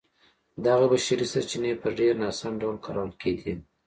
دغه بشري سرچینې په ډېر ناسم ډول کارول کېدې.